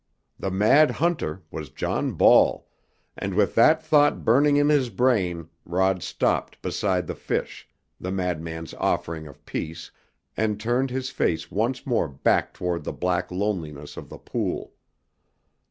The mad hunter was John Ball, and with that thought burning in his brain Rod stopped beside the fish the madman's offering of peace and turned his face once more back toward the black loneliness of the pool.